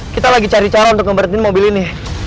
kita lagi cari cara untuk ngeberatin mobil ini